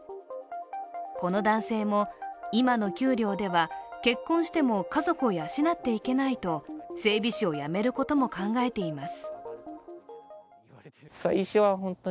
この男性も、今の給料では結婚しても家族を養っていけないと、整備士を辞めることも考えています。